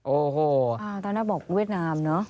โอ้โหตอนนั้นบอกเวียดนามเนอะ